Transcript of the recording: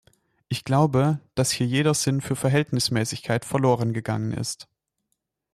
Ich glaube, das hier jeder Sinn für Verhältnismäßigkeit verloren gegangen ist.